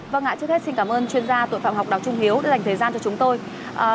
vâng ạ trước hết xin cảm ơn chuyên gia tội phạm học đào trung hiếu đã dành thời gian cho chúng tôi